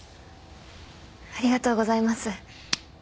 ありがとうございます。